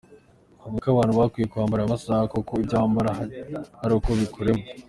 Avuga ko abantu bakwiye kwambara aya mabara kuko ibyo wambara hari uko bikurema.